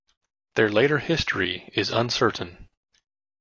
Their later history is uncertain.